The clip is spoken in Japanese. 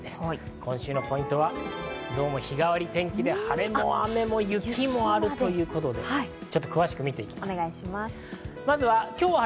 今週のポイントは、日替わり天気で、晴れ間も雨も雪もあるということで、詳しく見ていきます。